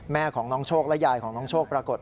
แม่ของน้องโชคและยายของน้องโชคปรากฏ